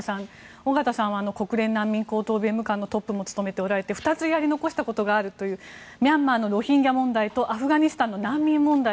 緒方さんは国連難民高等弁務官も務めていらっしゃって２つやり残したことがあるというミャンマーのロヒンギャ問題とアフガニスタンの難民問題。